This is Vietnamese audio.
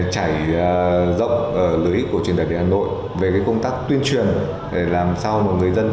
chảy rộng lưới của truyền tải điện hà nội về công tác tuyên truyền để làm sao một người dân